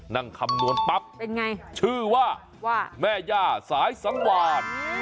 นั่งคำนวณปั๊บชื่อว่าแม่ย่าสายสังวาน